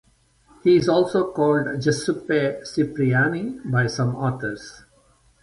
He is also called Giuseppe Cipriani by some authors.